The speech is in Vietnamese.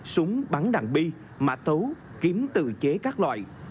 súng bắn đạn bi mã tấu kiếm tự chế các loại